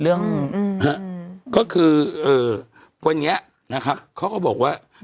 เรื่องอืมอืมฮะก็คือเออวันเนี้ยนะครับเขาก็บอกว่า